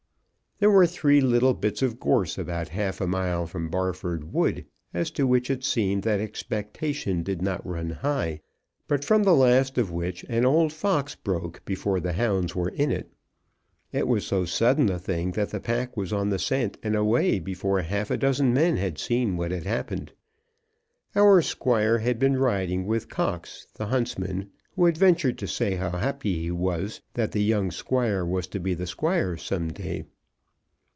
There were three little bits of gorse about half a mile from Barford Wood, as to which it seemed that expectation did not run high, but from the last of which an old fox broke before the hounds were in it. It was so sudden a thing that the pack was on the scent and away before half a dozen men had seen what had happened. Our Squire had been riding with Cox, the huntsman, who had ventured to say how happy he was that the young squire was to be the Squire some day.